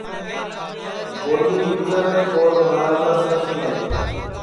بونی، ویچر، اور مہاراجا سینس مل